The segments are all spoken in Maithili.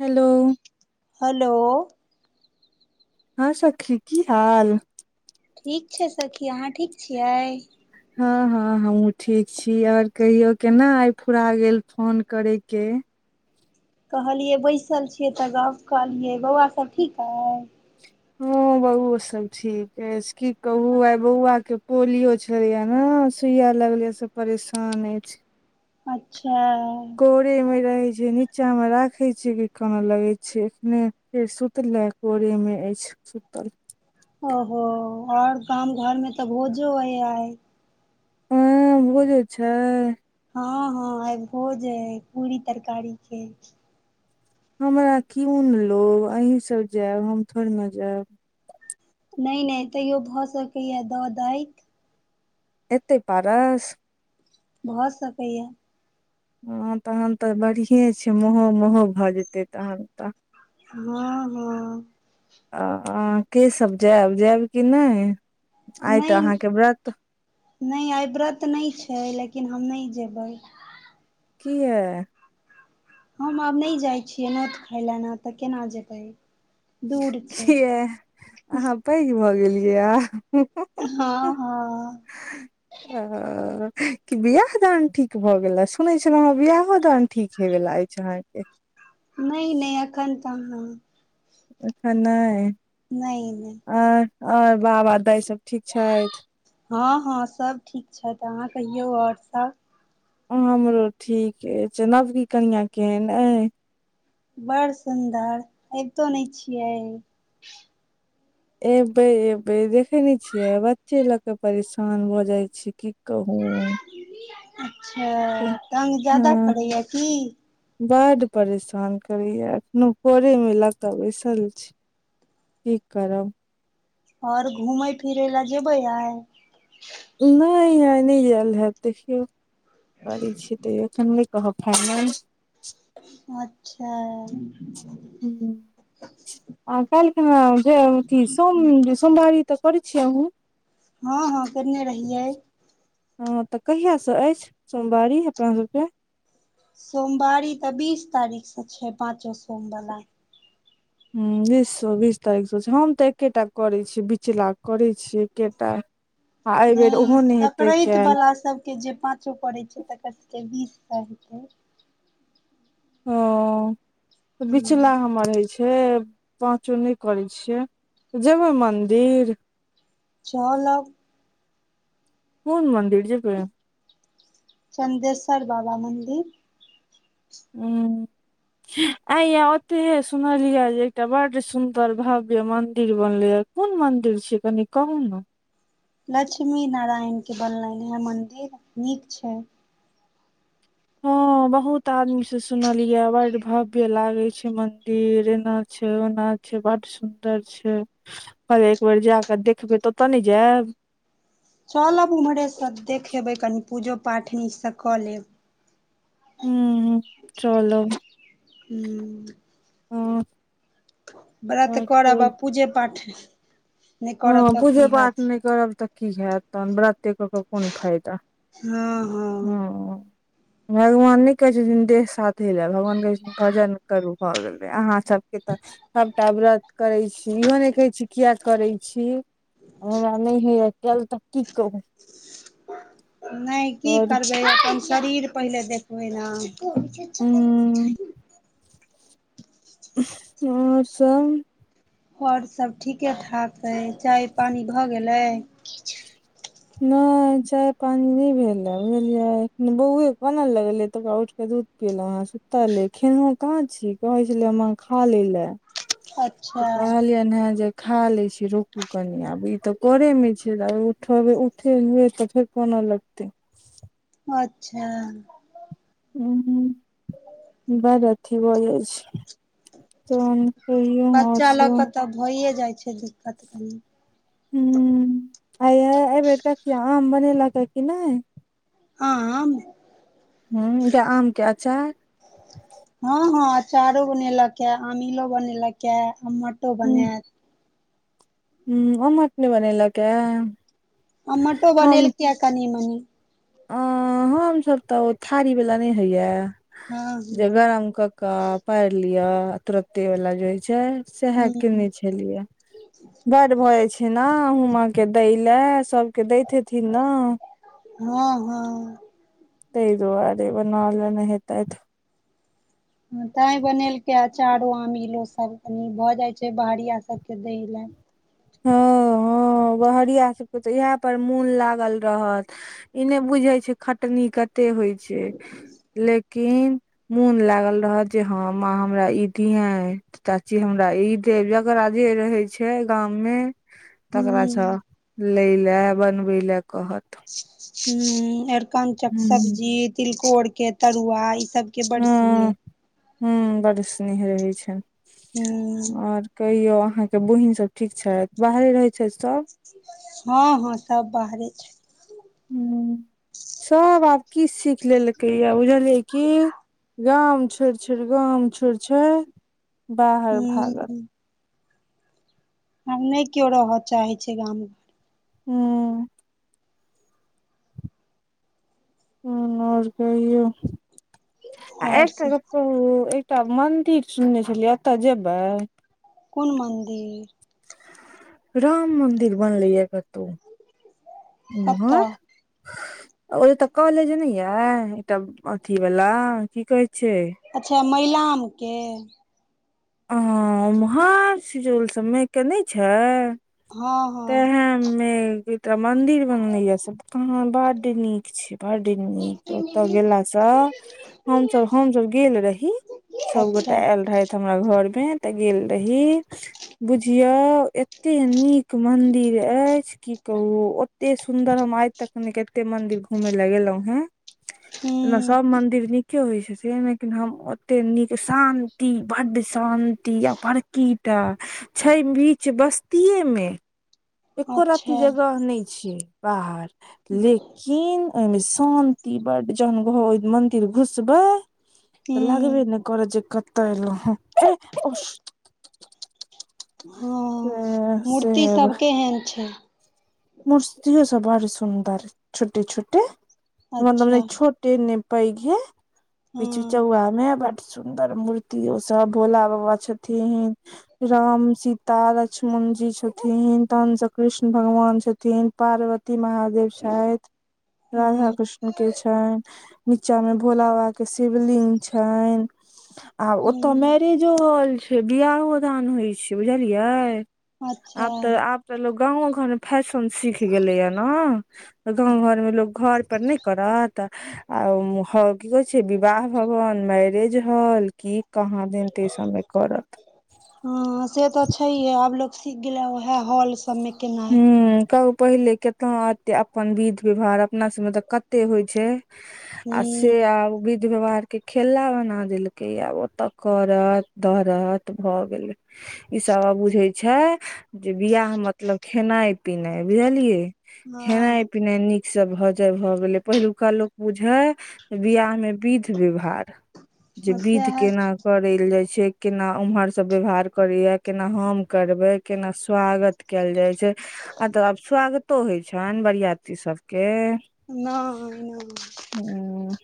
हेलो हलो हँ सखी की हाल ठीक छै सखी अहाँ ठीक छियै हँ हँ हमहुँ ठीक छी और कहियो केना आइ फुरा गेल फोन करे के कहलियै बैसल छियै तऽ गप कहलियै बौआ सभ ठीक है हँ बौओ सब ठीक अछि की कहू आ बौआ के पोलियो छलैया न सुइया लगलिय से परेशाने छै अच्छा कोरे मे रहै छै नीचा मे राखै छियै कि कानऽ लगै छैय एखने फेर सुतलै कोरेमे अछि सुतल ओहो और गाम घर मे तऽ भोजो यै आय ऊं भोजो छै हँ हँ आई भोज अइ पूरी तरकारी के हमरा कीउन लो अहीं सब जायब हम थोड़ ने जायब नहि नहि तैयो भऽ सकैए दऽ दैत एते पारस भऽ सकैया हँ तखन तऽ बढ़िए छै महो महो भऽ जेतै तखन तऽ हँ हँ अहाँ के सब जायब जायब कि नहि आइ तऽ नहि अहाँके व्रत नहि आई व्रत नहि छै लेकिन हम नहि जेबै किया हम आब नहि जाइत छियै नोत खाय लेना तऽ केना जेबै दूर छै किया अहाँ पैघ भऽ गेलियैए आब हँ हँ ह [unintelligible] कि बियाह दान ठीक भए गेला सुनै छलहु हेँ बियाहो दान ठीक हेवाला यै ् [unintelligible] नहि नहि अखन तऽ ह अखन नहि नहि नहि आ आर बाबा दाय सब ठीक छैथ हँ हँ सब ठीक छथि अहाँ कहियौ ओर सब हमरो ठीके अछि नवकी कनिआ केहन अछि बड़ सुन्दर अबितो नहि छियै एबै एबै देखे ने छियै बच्चे लऽ के परेशान भऽ जाई छै की कहू अच्छा तंग जादा करैया की बड परेशान करैया एखनो कोरे लक तऽ बैसल छी की करब ओर घूमय फिरै लए जेबै आय नहि आय नहि जयल हैत देखियौ कड़ै छी त एखन नहि कहब खे काल अच्छा [unintelligible] आ काल्हि खुना जे अथी सो सोमवारी तऽ करैत छियै अहुँ हँ हँ केने रहियै हँ तऽ कहिया से अछि सोमवारी अपना सबके सोमवारी तऽ बीस तारीख से छै पाचो सोम वला ह बीस सँ बीस तारीख स छै हम तऽ एकेटा करै छियै बिचला करै छियै एकेटा आ अइ बेेर ओहो नहि हेतै कैल के जे पाँचो पड़ैत छै तकर सबके बीस के हेतै ओ त बिचला हमर होय छै पाँचो नहि करै छियै जेबै मन्दिर चलब कोन मन्दिर जेबय चन्देसर बाबा मन्दिर हूं आइया ओतेहे सुनलियै जे एकटा बड सुन्दर भव्य मन्दिर बनलैय कोन मंदिर छै कनि कहू ने लक्ष्मी नारायण के बनलनि हे मंदिर नीक छै हँ बहुत आदमी से सुनलीये बड भक्त के लागे छै मंदिर एना छै ओना छै बड सुंदर छै आओर एक बेर जाकऽ देखबै तऽतऽ ने जायब चलब ओम्हरेसँ देखेबै कनि पूजो पाठ निक स कऽ लेब हूं हूं चलब हूँ हँ व्रत करब आ पूजे पाठ नहि करब हँ तऽ पूजे की पाठ हैत नहि करब तऽ की हैत तहन व्रते कऽ क कोन फायदा हँ हँ हँ [inaudible] भगवान नहि कहै छथिन देह साथे लैब भगवान कहै छथिन भजन करू भऽ गेलै अहाँ सबके तऽ सभटा व्रत करै छी इहो नहि कहे छी किया करे छी हमरा नहि होइयै कएल तऽ की कहू नहि की करू करबै अपन शरीर पहिले देखबै ने हूँ आओर सब आओर सब ठीके ठाक है चाय पानी भऽ गेलै नहि चाय पानि नहि भेलयै बुझलियै बौआ कान लगेलै तकरा उठ क दूध केलहुँ अँ सुताल ले खेनहहुँ कहाँ छी कहै छलै हम खा लै लए अच्छा तऽ कहलिय नहा जे खा लै छी रोकू कनि आब ई तऽ कोरेमे छै आब उठे हुए तऽ फेर कोना लगतै अच्छा हूं हूं बड अथि हो जाय छै त कहियो आओर सब तब होइए जाइ छै दिक्कत कनि ह आ एहिबेर का आम बनेलक है कि नहि ह आम ह्म्म आम के अचार हँ हँ अचारो बनेलक मैं अमीलो बनेलक यै अमोटो बनैत ह हमर अपने बनेलक ऐ [unintelligible] अमोटो बनेलके कनी मनी अ हमसब तऽ ओ थारी वाला नहि होइयै हँ जे गरम कऽ का पारि लिय तुरत्ते वाल जे होइ छै सेहै हँ कने छलियै बट भऽ जाइ छै ने हुमा के दै ले सबके दैत हथिन ने हँ हँ तेइ दौआरे बना लेने हेतत ताई बनेलकै अचारो आमिलो सब कनी भऽ जाय छै बाहरिया सबके देय ले हँ हँ बहारिया सबके तऽ इएह पर मोन लागल रहत ई नहि बुझै छै खटनी कते होइ छै लेकिन मोन लागल रहत जे हँ माँ हमरा ई दिये चाची हमरा ई दे जकरा जेे रहे छै गाँव मै तकरा हूँ छ लेलै बनबे ले कहत ह अरकञ्चक हूँ सब्जी तिलकोर के तरुआ ई सब के बड़सी [unintelligible] हू बड स्नेह रहै छनि हूँ आओर कहियौ अहाँके बहिन सब ठीक छथि बाहरे रहै छथि सभ हँ हँ सब बाहरे छै हूं सब आब की सिख लेलकै या बुझलियै की गाम छोड़ि छोड़ि गाम छोड़ि छड़ बाहर भागत हूँ आ नहि कियो रहा चाहे छै गाम हूँ ह आओर कहीयो आ और एकटा से गप क ओ एकटा मन्दिर सुनने छलियै एतऽ जेबै कुन मन्दिर राम मन्दिर बलैया कतौ उमहर ह [unintelligible] ओएत काॅलेज नहि य एकटा अथी वाला की कहै छै अच्छा मैईलामके अ उम्हर सिजौल सभय मे ए नहि छै हँ तऽ हँ हे मे मन्दिर बनलैया स हँ बड नीक छै बड नीक ओतय गेलासँ हमसब हमसब गेल रही अच्छा सबगोटा आयल रह हमरा घर मे तऽ गेल रही बुझियो एते नीक मंदिर अएछ कि कहू ओते सुन्दर हम आइ तक नै कते मंदिर घुमैय लए एलहुं हें ओना हूँ सब मंदिर नीके होइ छथिन लेकिन हम ओतेक नीक शान्ति बड शान्ति अ पकीएटा छै बीच बस्तीे मे एकको राती अच्छा जगह नहि छैय बाहर लेक किन ओहिमे शान्ति बड जहन ग घर ओहि मंदिर घुसबै तऽ लगबे हूँ नै करत जे कतऽ एलौह हँ हँ से मूर्ति सब केहन छै मुसरी सब बड़ सुन्दर छोटे छोटे मतलब अच्छा छो टे नेपैघे पीच हँ चउवा मे ब सुन्दर मूर्ति ओ सब भोला बाबा छथिन राम सीत लक्ष्मण जी छथिन तहनस कृष्ण भगवान छथिन पार्वती महादेव शायद राधा हँ कृष्ण के छनि नीचा में भोला बा के शिवलिंग छनि आब ओतय हूँ मैरेजो हो छै बियाह दान होइ छै बुझलियै अच्छा आब तऽ आब तऽ लोक गाँवो घर में फैस सीख गेले या ने गाँं घर में लोको घर पर नहि करत आ ह की कहै छै विवाह भवन मारेज हल कऽ कहाँ दिन ताहि सभमें करत ह से तऽ छैहे आब लोग सीख गेले उएहे हॉल सभ मे ह कहू पहिले केतना एते अपन विध व्यवहार अपना सब मे तऽ कते होइ छै आस हूँ आउ विध व्यवहार के खेला बना देलकै आब ओतऽ करत रत भऽ गेलै ई सब बुझे छै जे बियाह मतलब खेनाइ पिनाइ बुझलियै हँ खेनाइ पिनाइ नीक सब भऽ जाय भऽ गेलै पहिलुका लोक बुझे बियाह में विध व्यवहार जे विध सएह केना छै करल जाइ छै केना उम्हर सब व्यवहार करे या केना हम करबे केना स्वागत केल जाय छै आ तऽ आब स्वागतो होइ छनि बरियाती सबके नइ नइ हूँ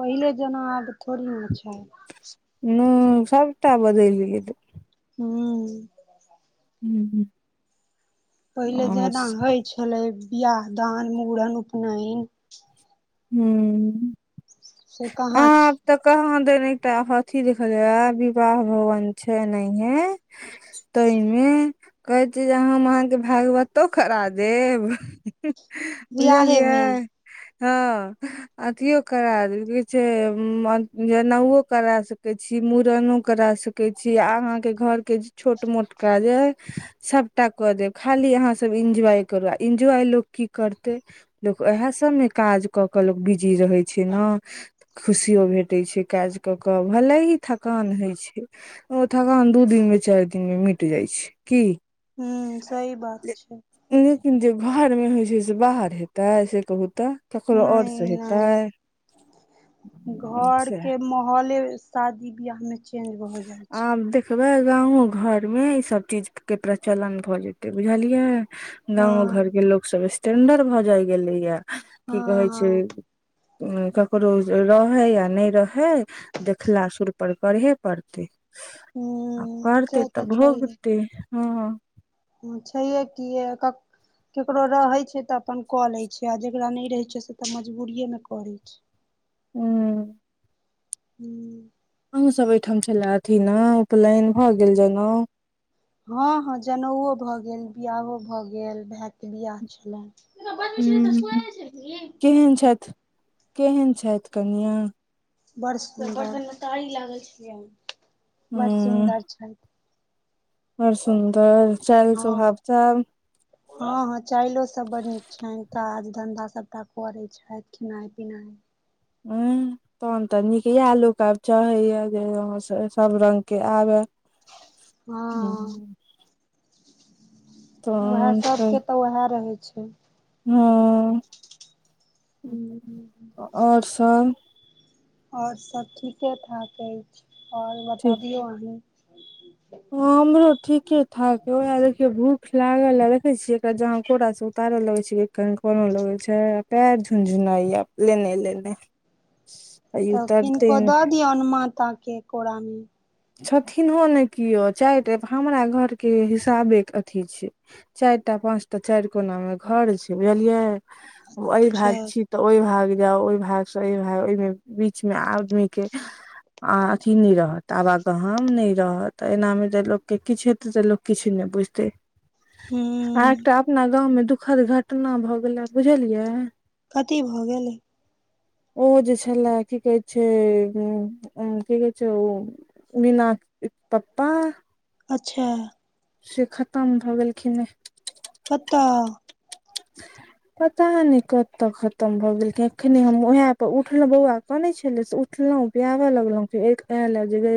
पहिले जेना आब थोड़ी छय ह सबटा बदल गेल तऽ हँ हूँ हूँ पहिले जेना होइ छलै बियाह दान मूड़न उपनयन हूँ से कहाँ आब छी तऽ कहाँ देने एकटा अथी देखल विवाह भवन छै नहिहे तहि में कहैत छी जे हम अहाँके भागवतो करा देब बियाहे बुझलियै मे हँ अथियो करा द क छै जनेउओ करा सकै छी मुड़नो करा सके कहै छी अहाँके घर के जे छोट मोट काज अइ सभटा कऽ देब खाली अहाँसभ इन्जॉय करू आ इन्जॉय लोक की करतै लोक इएह सब मे काज क के लोक बिजी रहे छै ने खुशियो भेटैत छै काज कऽ कऽ भले ही थकान होइत छै ओ थगान दू दिन मे चारि दिन में मिट जाइ छै की हूँ सही बात छै लेकिन जे घरमे होइ छै से बाहर हेतै से कहू तऽ ककरो ओर नहि से हेतै नहि घर सैह के माहौले शादी बियाह में छै आ देख देखबए गाँव घर में ई सब चीज के प्रचलन भऽ जेतै बुझलियै गाँवो घर हँ के लोको सब स्टेंडर्ड भए जाय गेले या की कहे हँ छै हँ ककरो रहे या नहि रहे देखला सुर पर करहे पड़तै हूँ परतें से तऽ तब भोगतै हँ अच्छा य की य क केकरो रहैत छै तऽ अपन कऽ लैत छै आ जेकरा नहि रहै छै से तऽ मजबूरिएमे करैत छय हूँ हूँ हमह सब ओहिठाम छल अथि ने उपनयन भए गेल जनउ हँ हँ जनेउओ भऽ गेल बिआहो भए गेल भाय के बिआह छलनि बाजय छीय त सुनै उंम्म नाहि छ‌इ कि केहन छथ केहन छथ कनिया बड़ सुंदर बर्तन में कारी लागल छ बड़ हूँ सुन्दर छै बड़ सुन्दर चाल स्वभाव सब [inaudible] हँ हँ चाललो सब बड नीक छनि काज धन्धा सबटा करैत छथि खेनाइ पिनाइ हूँ तहन तऽ नीक इएह लोक आब चाहैए जे अहाँ सभ रगं के आबै हँ वएह सबके तऽ वएह रहै छै हँ हूँ आओर सब आओर सब ठीके ठाक अछि आओर बताबियऔ अहीं व हमरो ठीके ठाक उएह देखियो भूख लागल देखे छीे एक जहां कोड़ा से उतार लगे छियै कनि कोनो लगै छै पैर झुनझुनाईय लेने लेने आ ई तऽ उतरते किनको नै दऽ दियऔन माता के कोरा में छथिनहो ने किओ चारि टाप हमरा घरके हिसाबेके अथी छै चारि टा पाँच टा चारि कोना मे घर छै बुझलियै ओ अइ अच्छा भाग छी तऽ ओहि भाग जाउ ओहि भाग से अइ भाग ओहिमे बीच मे आदमी के आ अथी नहि रहत तऽ आबागहम नहि रहत एनामे जे लोक के किछ हेतै तऽ लोक किछ नहि बुझतै आ हूँ एकटा अपना गाँव में दुःखद घटना भऽ गेलै बुझलियै कथी भऽ गेलै ओ जे छले की कहै छै उ की कहै छै ओ मीना पप्पा अच्छा से खत्म भऽ गेलखिन हे कत्त पता नहि कत्तऽ खत्म भऽ गेलख एखनि हम उएह पर उठलहु बौआ कने छले से उठलहुँ पियाबे लगलहुं फे ल जे